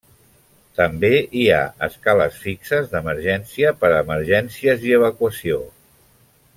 També hi ha escales fixes d'emergència per a emergències i evacuació.